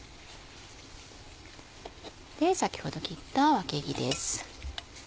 先ほど切ったわけぎです。